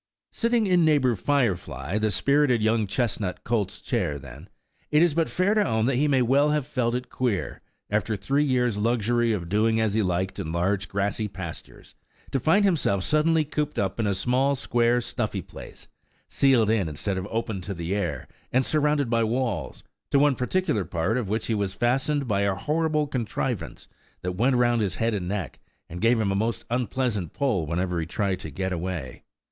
Sitting in neighbour Firefly the spirited young chestnut colt's chair, then, it is but fair to own that he may well have felt it queer, after three years' luxury of doing as he liked in large grassy pastures, to find himself suddenly cooped up in a small square stuffy place, ceiled in instead of open to the air, and surrounded by walls, to one particular part of which he was fastened by a horrible contrivance that went round his head and neck, and gave him a most unpleasant pull whenever he tried to get away.